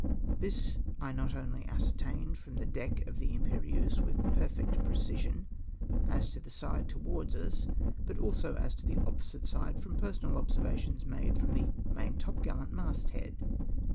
This I not only ascertained from the deck of the Im jjerieuse with perfect precision as to the side towards us, but also as to the opposite side, from personal observations made from the main topgallant mast head.